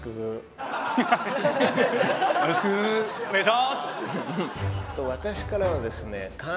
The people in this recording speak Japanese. よろしくお願いします！